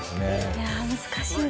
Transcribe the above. いや難しいな。